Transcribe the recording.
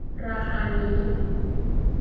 ราคานี้